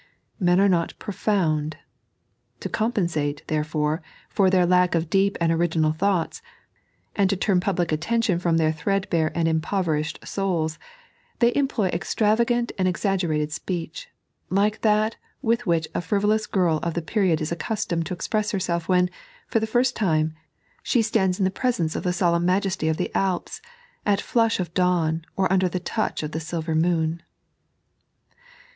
Men are not profound. To compensate, therefore, for their lack of deep and original thoughts, and to turn pub lic attention from their threadbare and impoverished souls, they employ extravagant and exaggerated speech, like that with which a frivolous girl of the period is accustomed to exprras herself when, for the first time, she stands in the presence of the solemn majesty of the Alps, at flush of dawn or under the touch of the silver moon.